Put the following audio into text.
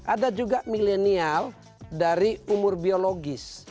ada juga milenial dari umur biologis